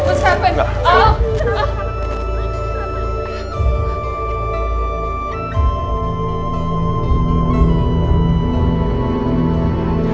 apa yang terjadi